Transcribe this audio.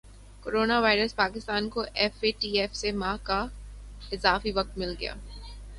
corona virus Pakistan کو F A T F سے ماہ کا اضافی وقت مل گیا